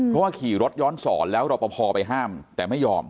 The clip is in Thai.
เพราะว่าขี่รถย้อนสอนแล้วรอปภไปห้ามแต่ไม่ยอม